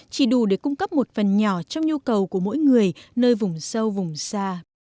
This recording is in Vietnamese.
chỉ đủ để cung cấp một phần nhỏ trong nhu cầu của mỗi người nơi vùng sâu vùng xa